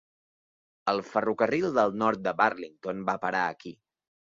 El ferrocarril del nord de Burlington va parar aquí.